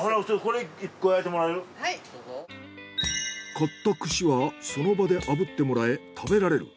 買った串はその場で炙ってもらえ食べられる。